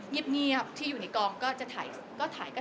เงียบที่อยู่ในกองก็จะถ่ายก็ถ่าย